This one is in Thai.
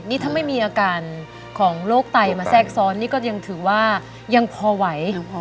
นี่ถ้าไม่มีอาการของโรคไตมาแทรกซ้อนนี่ก็ยังถือว่ายังพอไหว